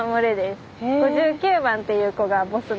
５９番っていう子がボスの群れです。